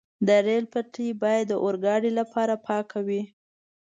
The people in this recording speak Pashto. د ریل پټلۍ باید د اورګاډي لپاره پاکه وي.